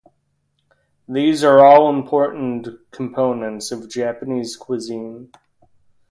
These are all important components of Japanese cuisine.